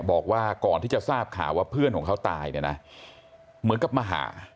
บอกว่าก่อนที่จะทราบข่าวว่าเพื่อนของเขาตายเนี่ยนะเหมือนกับมาหา